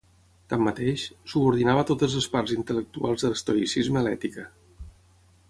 Tanmateix, subordinava totes les parts intel·lectuals de l'estoïcisme a l'ètica.